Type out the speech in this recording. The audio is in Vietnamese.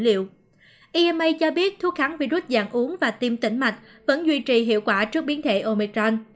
ema cho biết thuốc kháng virus dạng uống và tiêm tỉnh mạch vẫn duy trì hiệu quả trước biến thể omicron